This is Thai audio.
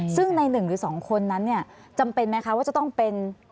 ซึ่งในหนึ่งหรือ๒คนนั้นเนี่ยจำเป็นไหมคะว่าจะต้องเป็น